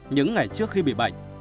những ngày trước khi bị bệnh